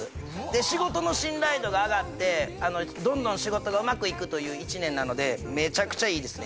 仕事の信頼度が上がってどんどん仕事がうまくいくという１年なのでメチャクチャいいですね